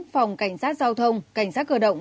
phòng cảnh sát giao thông cảnh sát cờ động